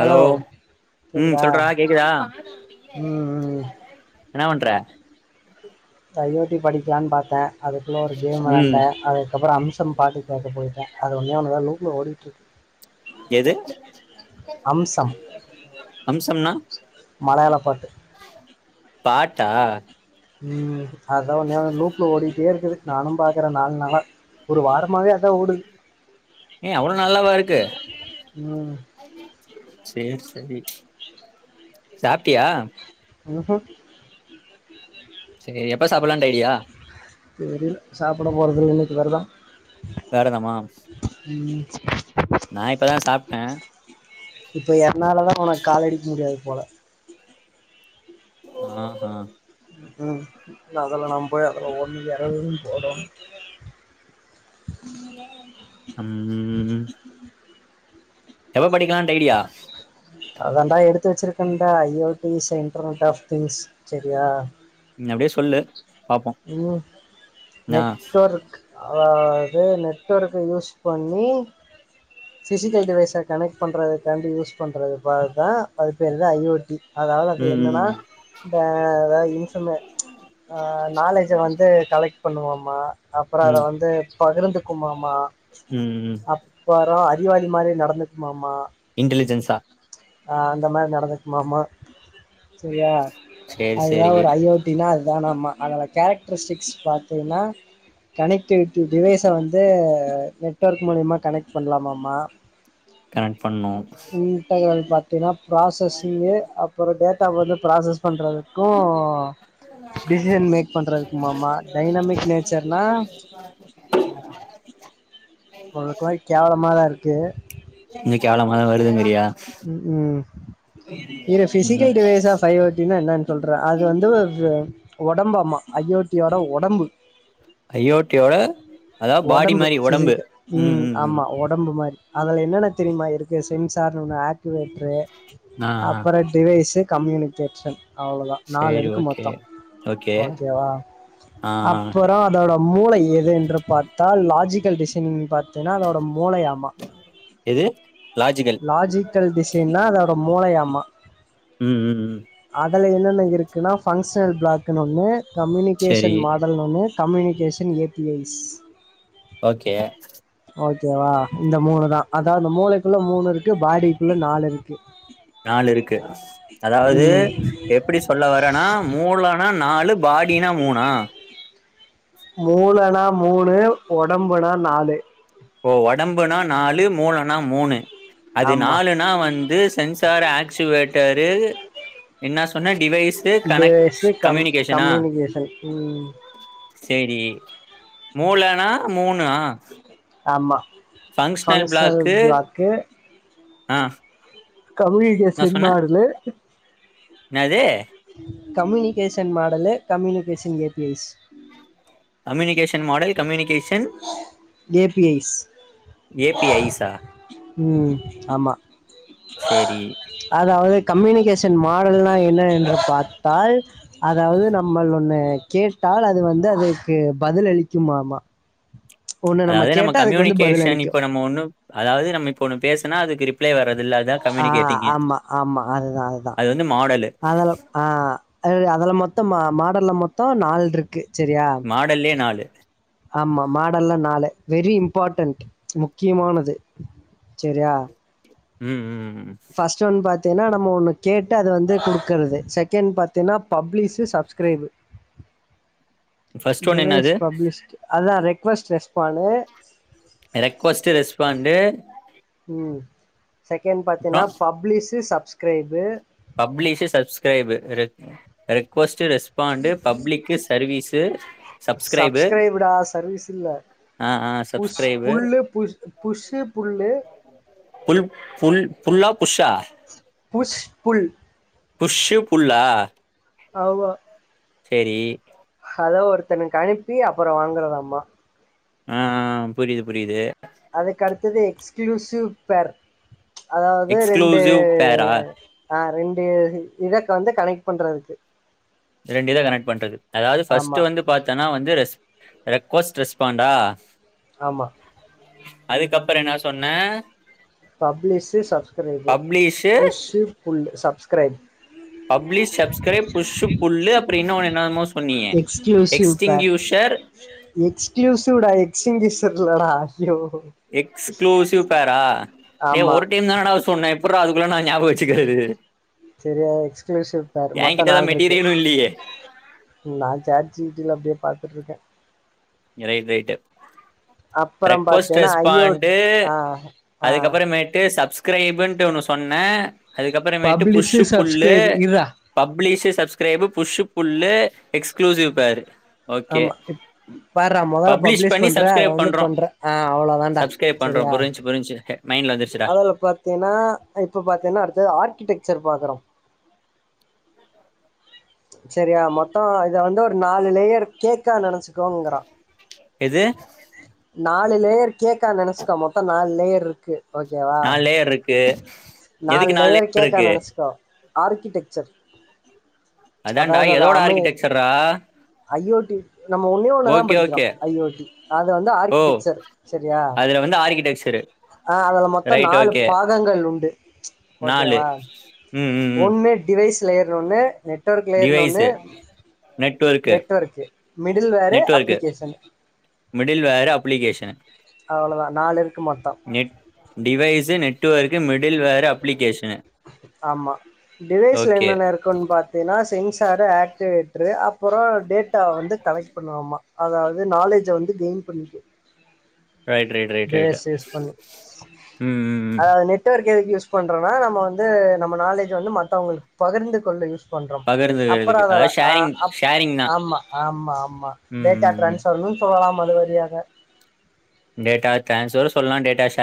hello ம் கேக்குதா சொல்றா கேக்குதா ம் ம் என்ன பண்ற இந்த அயோத்தி படிக்கலான்னு பாத்த அதுக்குள்ள ஒரு கேம் ம் வெளாண்ட அதுக்கப்பறம் அம்சம் பாட்டு கேக்க போயிட்ட அது ஒன்னே ஒன்னுதா லூப்ல ஓடிட்டுருக்கு எது அம்சம் அம்சம்னா மலையாள பாட்டு பாட்டா ம் ஆதான் ஒன்னே ஒன்னு லூப்ல ஓடி டே இருக்குது நானும் பாக்கற நாலு நாளா ஒரு வாரமாவே அ ஏ அவ்ளோ நல்லாவா இரு க்கு ம் சேர் செரி சாப்ட்டியா உஹும் சேரி எப்ப சாப்பில்லான்ட்டு ஐடியா தெரில சாப்பிட போறதில்ல இன்னைக்கு வெரதம் வெரதமாம்ஸ் நா இப்பதான் சாப்ட்ட இப்ப என்னாலதா உனக்கு காலடிக்க முடியாது போல ஆஹ்ஹா ம் அதெல்லாம் நம்போய் அதுல ஒண்ணு யாருதுனு போடோனு அம்ஹுஹும் எப்ப படிக்கலான்ட்டு ஐடியா அதாண்டா எடுத்து வெச்சிருக்கண்டா I O T centre out of things செரியா நீ அப்டியே சொல்லு பாப்போ ம் ஆ நெட்வொர்க் அதாவது நெட்வொர்க்க யூஸ் பண்ணி பிஸிக்கல் டிவைஸர் கனெக்ட் பண்ணுறதுக்காண்டி யூஸ் பண்றது பாத்தா அது பேர்தா ஐ ஓ டி அதாவது அதுல ம் என்னன்னா ம் இந்த அதாவது இன் சொல்மே ப்ச் நாலேஜ வந்து கலெக்ட் பண்ணுவோமா அப்புற அத ம் வந்து பகிர்ந்துக்குமாமா ம் ம் அப்பற அர் றிவாளி மாரி நடந்துக்குமாமா இன்டலிஜென்ஸா ஆ அந்த மாரி நடந்துக்குமாமா செரியா சேரி அதுதா சேரி ஒரு ஐ ஓ டி ன்னா அதுதானாம்மா அதோட கேரக்ட்ரிஸ்டிக்ஸ் பாத்தீயின்னா கனெக்ட்டிவிட்டி டிவைஸ வந்து நெட்வொர்க் மூலியமா கனெக்ட் பண்லாமாம்மா கனெக்ட் பண்ணோ டினாப் ப்ராசஸிங்கு அப்புற டேட் டா வந்து ப்ராசஸ் பண்றதுக்கு [unintelligible] [unintelligible] டிசிஷன் மேக் பண்றதுக்குமாமா டைனமிக் நேச்சர்னா உங்களுக்கு மாரி கேவலமாதா இருக்கு இன்னைக்கி எவளோ மத வருதுங்கிறியா ம் ம் இரு பிசிக்கல் டிவைஸாஃப் பைவட்டின்னா என்னான்னு சொல்றா அது வந்து ஒடம்பாம்மா ஐயோத்தியோட ஒடம்பு அயோட்டியோட அதாவது பாடி ஒடம்பு மாரி ஒடம்பு ஃபிசிக்கு ம் ம் ம் ஆமா ஒடம்பு மாரி அதுல என்னென்ன தெரியுமா இருக்கு சென்ஸ் [unintelligible] இன்வெட்ர்ட்ரு ஆ ஆ அப்பற டிவைஸ்ஷு கம்யூனிகேஷன் அவ்லோதா நாலு சேரி இருக்கு ஓகே மொத்த ஓகே ஓகேவா ஆ ஆ அப்புறோ அதோட மூளயி என்று பார்த்தால் லாஜிக் டிசைனிங் பார்த்தேன்னா அதோட மூலயாம எது லாஜிக்கல் லாஜிடல் டிசைனா அதோட மூளயாம ம் ம் ம் அதுல என்னன்ன இருக்குன்னா பங்ஷ இன்டர்னல் பிளாக்குனு ஒன்னு சேரி கம்யூனிகேஷன் மாடல்னு ஒன்னு communication A P Is okay ஓகேவா இந்த மூணு தா அதாது இந்த மூலைக் குள்ள மூணுருக்கு பாடிக்குள்ள நாலு ருக்கு நாலு இருக்கு அதாவது எப்பிடி சொல்ல வரேன்னா மூலனா நாலு பாடினா மூனா மூள நா மூணு ஒடம்புனா நாலு ஓ ஒடம்புனா நாலு மூலனா மூனு அது ஆமா நாலுனா வந்து சென்சார் ஆக்ஸ்வேட்டரு என்ன சொன்ன டிவைஸு கனெக்ட் டிவய்சு கம் கம்யூனிகேஷனா கம்மினிகேஷன் செரி மூலனா மூணு மூனா ஆமா ஃபங்க்ஷனல் ஃபங்ஷனல் பிளாக்கு பிளாக்கு ஆ கம்யூனிகேஷன் மடலு என்னாது communication model communication A P Is communication model communication A P Is A P Is ஆ ம் ஆமா சேரி ஷன் மாடல்னா என்ன என்ற பார்த்தால் அதாவது நம்ம ஒண்ணு கேட்டால் அது வந்து அதுக்கு பதில் அளிக்குமாமா ஒண்ணு அதாவது நம்ம கேட்டா அதுக்கு வந்து பதில் கம்யூனிகேஷன் அளிக்கு இப்ப நம்ம ஒண்ணு அதாவது நம்ம இப்ப ஒண்ணு பேசுனா அது ரிப்ளை வரது ஆ ஆமா ஆமா அதுதா அதுதா அது வந்து மாடலு அதெல்லா ஆ அ அதில் மொத்தம் மா மாடல்ல மொத்தோ நால்ருக்கு மாடல்லே நாலு ஆமா மாடல்ல நாலு வெரி இம்பார்ட்டன்ட் முக்கியமானது சரியா உம் உம் ம் ம் ஃபர்ஸ்ட் ஒன் பாத் தேன்ன நம்ம ஒன்னு கேட்டு அது வந்து கொடுக்கறது செக்கெண்ட் பாத்தீன்னா பப்ளிசு சப்ஸ்கிரைபு ஃஸ்ட் ஒன் என்ன அது அததுதா ரெக்வெஸ்ட் ரெஸ்பானு ரெக்வஸ்ட் ரெஸ்பாண்டு ம் ஸெக்கெண் பாத்தீன்னா publish sub subscribe publish subscribe ரெ ரெக்வஸ்ட் சு ரெஸ்பாண்டு பப்ளிக்கு சர்வீஸ்ஸு து சப்ஸ்கிரைப்டா சர்வீஸ் இல்ல ஆ ஆ push subscribe pull push push pull pull pull புல்லா புஷ்ஷா புஷ் புல் புஷ்ஷு புல்லா ஆமா சரி ஹலோ ஒருத்தனுக்கு அனுப்பி அப்பற வாங்கறதாமா ஆ ஆ புரியுது புரியுது அதுக்கடுத்தது எக்ஸ் க்ளுஸிவ் பேர் அதாவுது ரெண்டு எக்ஸ்க்ளூசிவ் பேரா ஆ ரெண் இ இதக்கு வந்து கனெக்ட் பண்றதுக்கு ரண்டு இத கனெக்ட் பண்றது அதாவுது ஆமா ஃபஸ்ட்டு வந்து பாத்தனா வந்து ரெஸ் ரெக்வஸ்ட் ரெஸ்பாண்டா ஆமா அதுக்கப்பற என்னா சொன்ன publish subscribe publish push pull subscribe publish subscribe push pull அப்புறம் இன்னொன்னு என்னமோ சொன்னீங்க எக்ஸ்குளுஸிவ் பேர் எக்ஸ்டிங்யூஷர் எக்ஸ்குளுஸிவ் டா எக்ஸிங்கிஷ் இல்லடா ஐயோ எக்ஸ்க்ளூசிவ் பேரா டே ஆமா ஒரு டைம் தானடா சொன் நா எப்புடுறா அதுக்குள்ள நா ஞாபக வச்சுக்கறது சரியா எக்ஸ்க்ளுசிவ் பேர் மொத்த தான் நால்ருக்கு மெட்டீரியலும் இல்லையே நா சாட் ஜீ பீ டி ல அப்டியே பாத் துட்ருக்கே ரைட் ரைட்டு அப்பறம் ரெக்வெஸ்ட் பாத்தீன்னா ஐயோட்ஸ் ரெஸ்பாண்டு ஆ ஆ அதுக்கப்பறமேட்டு சப்ஸ் கிரைபுட்டு ஒன்னு சொன்னே அதுக்கப்புறமேட்டு பப்ளிஷு புஷ்ஷு புல்லு சப்ஸ்கிரைப் இர்றா publish subscribe push pull exclusive பேரு ஓகே ஆமா பார்ரா மொதல்ல பப்ளிஷ் பண்ணி பண்ற அதை சப்ஸ்கிரைப் வந்து பண்றோ பண்ற ஆ அவ்ளோ தான்டா சப்ஸ்கிரைப் பண்றோ சரியா புரிஞ்சு புரிஞ்சு மைண்ட்ல வந்துருச்சுடா அதுல பாத்தீன்னா இப்ப பாத்தீன்னா அடுத்து ஆர்க்கிடெக்சர் பாக்கறோ சரியா மொத்த இத வந்து ஒரு நாலு லேயர் கேக்கா நெனைச்சுக்கோங்கிறா எது நாலு லேயர் கேக்கா நெனச்சுக்கோ மொத்த நாலு லேயர் இருக்கு ஓகேவா நால் லேயர்ருக்கு எதுக்கு நால் லே [inaudible] ருக்கு ஆர்க்கிடெக்செர் அதான்டா அதாவ்து அத எதோட அமே ஆர்கிடெக்சர்ரா ஐஓடி நம்ம ஒன்னே ஒன்னதான் ஓகே படிக்கிறோம் ஓகே ஐஓடி அத வந்து ஓ ஆர்க்கிடெக்செர் செரியா அதுல வந்து ஆர்கிடெக்சரு ஆ அதுல மொத்த ரைட் நாலு ஓகே பாகங்கள் உண்டு நாலு ஓகேவா ம் ம் ம் ஒன்னு டி வெய்ஸ் லேயர் ஒன்னு நெட் டொர்க்லேயர்னு ஒன்னு device network network middleware application middleware application அவ்வளோதா நாலு இருக்கு மொத்தோ net device network middleware application ஆமா டிவைஸ்ல ஓகே என்னென்ன இருக்குன் பாத்தீனா சென்சாரு ஆக்டிவேட்ரு அப் பொரொ டேட்டாவ வந்து கலைக் பண்ணுவாமா அதாவ்து நாலேஜ வந்து கெயின் பண்ணிக்கு ரைட் ரேட் ரேட் ரேட்ட டிவைஸ் யூஸ் பண்ணி ம் ம் ம் அதாவது நெட்வொர்க் எதுக்கு யூஸ் பண்ணுறோனா நம்ம வந்து நம்ம நாலேஜ் வந்து மத்தவங்ளுக்கு பகிர்ந்து கொள்ள யூஸ் பண்றொ அப்பற பகிர்ந்துக்கிறதுக்கு அதவ அதாவது [inaudible] அ ஷேரிங் அப் ஷேரிங் தா ஆம்மா ஆம்மா ஆம்மா ம் டேட்டா ம் ம் டிரான்ஸ்வர்னு சொல்லலாம் மத வரியாக டேட்டா டிரான்ஸ்வர் சொல்லாம் டேட்டா ஷ்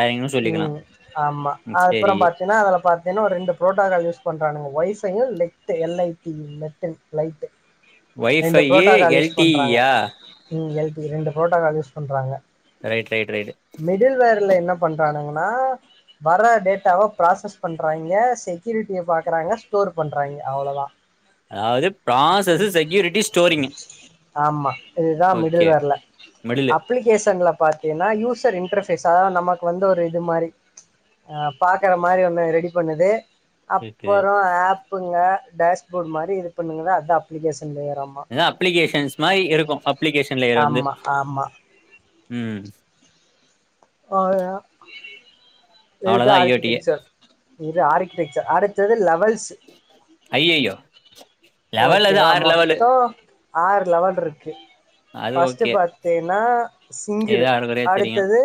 ம் ஆமா அத்ப்பற சேரி பாத்தீன்னா அதுல பாத்தீன்னா ஒரு ரெண்டு ப்ரோட்டாக்கால் யூஸ் பண்றானுங்க ஒய்ஸ் [unintelligible] லெட்டு எல்ஐடி மெட்ட லைட்டு ரெண்டு வைஃபையி ப்ரோட்டோகால் எல்டிஇயா இரண்டு புரோட்டாகால் யூஸ் பண்றாங்க ரைட் ரைட் ரைட் மிடில் வேர்ல என்ன பண்றானுங்னா வர டேட்டாவ ப்ராசஸ் பண்றாய்க செக்குரிட்டிய பாக்குறாங்க ஸ்டோர் பண்றாய்ங்க அவ்ளோதான் [inaudible] அதாவது ப்ராசஸு செக்யூரிட்டி ஸ்டோரிங்கு ஆமா இதுதான் மிடில் ஓகே வேர்ல மிடிலு அப்ளிகேஸன்ல பாத்தீனா யூசர் இன்ரஃபேசா நம் வந்த ஒரு இது மாரி ஆ பாக்கற மாரி ஒன்னு ரெடி பண்ணுது இருக்குது அப்பொறொ ஆப்புங்க டேஸ்போட் மாரி இது பன்னுங்கல அதா அப்ளிகேஷ் ஏனா அப்ளிகேஷன்ஸ் மாயி இருக்கு அப்ளிகேஷன்லேயர் வந்து ஆமா ஆமா ம் அவ்லதா இது தா அவ்ளோதா ஐ ஓ டி ஆர்கிடெக்சர் இது ஆர்கிடெக்சர் ஆறு அடுத்தது லவல் அய்யய்யோ லெவல் அது ஓகேவா ஆறு லெவலு மொத்தோ ஆறு லெவல் இருக்கு அது ஃபஸ்ட் ஓகே பாத்தீன்னா சிங்கிளு ஏதோ ஆறு குறையா தெரியு அடுத்தது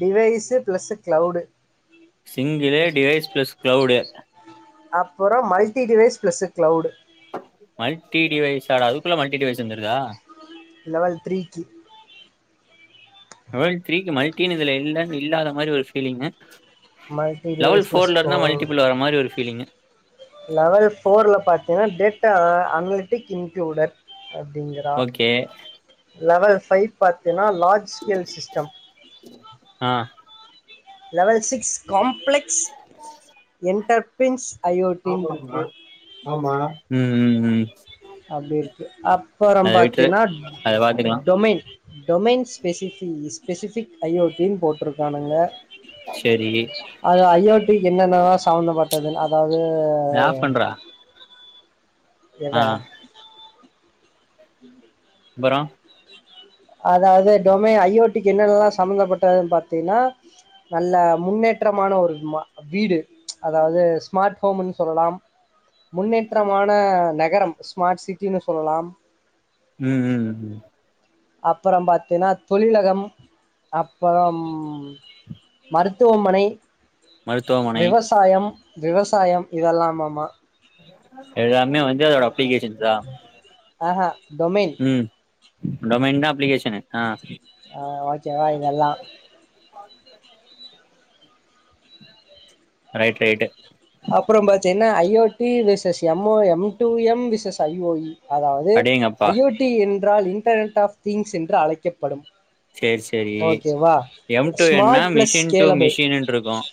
டிவைஸ்ஸு ப்ளஸு கிளௌவ்டு சிங்கிளே டிவைஸ் பிளஸ் க்ளௌவ்டு அப்பறோம் multi device plus cloud multi device அட அதுக்குள்ள மல்டிடிவைஸ் வந்துருதா லவல் த்ரீக்கி லவல் த்ரீக்கி மல்ட்டின் இதுல இல்லன் இல்லாத மாதிரி ஒரு ஃபீலிங்கு லெவல் மல்டிடிவேஸ்னஷ்னல் ஃபோர்ல இருந்தா ஸ்கோர் மல்டிபிள் வர மாரி ஒரு ஃபீலிங்கு லெவல் ஃபோர்ல பாத்த ஏன்னா டேட்டா அன்லிட்டிக் இன்குளூடர் அப்டிங்றா ஓகே லெவல் பை பார்த்தினால் லார்ஜ் ஸ்கில் சிஸ்டம் அ லவல் சிக்ஸ் காம்ப்ளக்ஸ் இன்டர் பின்ச் ஆமாமா ஐஓடின்ருக்கு ஆமா ம் ம் ம் அப்டி இருக்கு அப் அப்பறம் அத விட்ரு பாத்தீன்னா அத பாத்துக்கலா டொமைன் டொமைன் ஸ்பெசிபி ஸ்பெசிபிக் ஐஓடினு போட் இருக்கானுங்க செரி அது ஐஓ இது என்னென்னலா சம்மந்தப்பட்டதுன் அதாவ அத ஆஃப் து பண்றா ஆ எத அப்பறம் அதாவது டொமை ஐஓ என்னல்லா சம்பந்தப்பட்டதுனு பாத்தீன்னா நல்ல முன்னேற்றமான ஒரு மா வீடு அதாவது ஸ்மார்ட் ஹோம்னு சொல்லலாம் முன்னேற்றமா அ நகரம் ஸ்மார்ட் சிட் ன்னு சொல்லலாம் ம் ம் ம் அப்பறம் பாத்தீன்னா தொழிலகம் அப்பறம் மருத்துவமனை மருத்துவமனை விவசாயம் விவசாயம் இதெல்லாமாமா எல்லாமே வந் [unintelligible] அப்ளிகேஷன்ஸ் தா ஹே ஹே ம் டொமேன் தா அப்ளிகேஷ ஷனு ஆஹ ஆஹ் ஓகே வா இதெல்லாம் ரைட் ரைட்டு அப்பறம் பாத்தீங்கன்னா IoT versus MO M two M versus ஐஓஇ அதாவது அடேங்கப்பா ஐஓடி ன் என்றால் இன்டர்நெட் ஆஃப் திங்ஸ் என்று அழைக்கப்படும் செரி செரி ஓகேவா எம் டூ எம் னா smart plus machine to scalable மிஷின்று இருக்கும்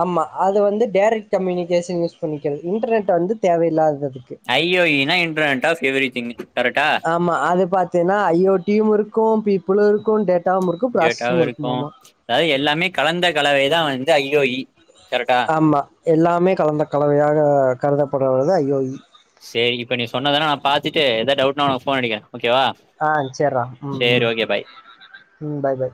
ஆமா அது வந்து டைரெக்ட் கம்யூனிகேஷன் யூஸ் பண்ணிக்கிறது இன்டர்நெட் வந்து தேவயில்லாதது ஐஓயீ னா இன்டர்நெட் ஆஃப் எவ்ரி திங் கரெக்டா ஆமா அது பாத்தீன்னா ஐஓடியும் இருக்கும் பீப்புளும் இருக்கும் டேட்டாவும் இருக்கும் டேட்டாவு ப்ராசஸும் இருக்கு இருக்குமாமா ஐயோ யி ஆமா எல்லாமே கலந்த கலவையாக கருத போடவது அயோ யி சரி இப்ப நீ சொன்னதானா நான் பாத்துட்டு எதாவது டவுட்டுன்னா உனக்கு போன் அடிக்கிறேன் ஆஹ் சேர்றா உம் உம் ஓகே பாய் உம் பை பை